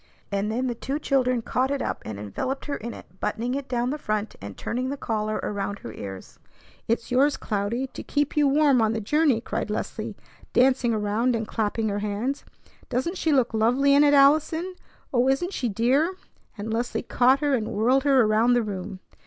And then the two children caught it up, and enveloped her in it, buttoning it down the front and turning the collar around her ears. "It's yours, Cloudy, to keep you warm on the journey!" cried Leslie, dancing around and clapping her hands. "Doesn't she look lovely in it, Allison? Oh, isn't she dear?" and Leslie caught her and whirled her around the room.